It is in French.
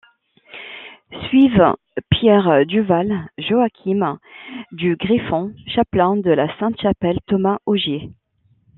Suivent Pierre Duval, Joachim du Griffon chapelain de la Sainte-Chapelle, Thomas Augier.